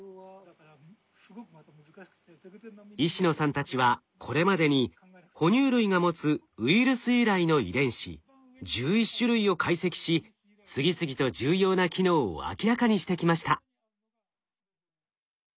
石野さんたちはこれまでにほ乳類が持つウイルス由来の遺伝子１１種類を解析し次々と重要な機能を明らかにしてきました。